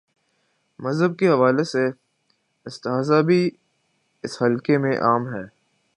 مذہب کے حوالے سے استہزا بھی، اس حلقے میں عام ہے۔